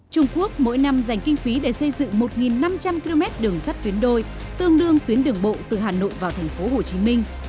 trung quốc mỗi năm dành kinh phí để xây dựng một năm trăm linh km đường sắt tuyến đôi tương đương tuyến đường bộ từ hà nội vào thành phố hồ chí minh